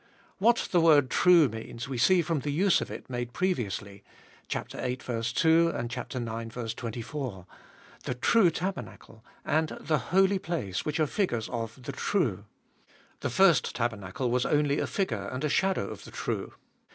What the word true means we see from the use of it made previously (viii. 2 and ix. 24), the true tabernacle, and, the Holy Place, which are figures of the true. The first tabernacle was only a figure and a shadow of the true.